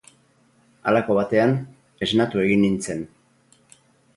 Halako batean, esnatu egin nintzen.